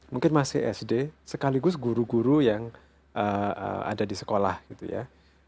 mungkin masih sd sekaligus guru guru yang ada di sekolah gitu ya